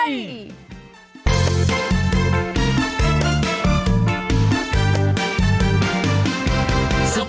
สมัสทั่วไทย